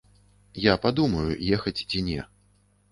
Я падумаю ехаць ці не.